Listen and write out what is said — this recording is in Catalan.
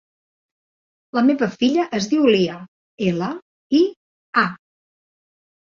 La meva filla es diu Lia: ela, i, a.